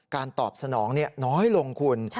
ตอบสนองน้อยลงคุณ